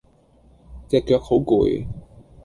隻腳好攰